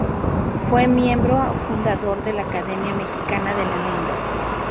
Fue miembro fundador de la Academia Mexicana de la Lengua.